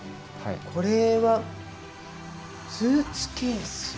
これははいスーツケースです。